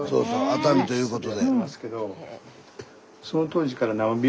熱海ということで。